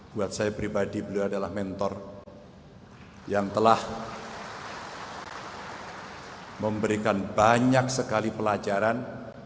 buat saya pribadi beliau adalah mentor yang telah memberikan banyak sekali pelajaran